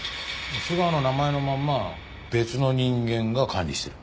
須川の名前のまんま別の人間が管理してる。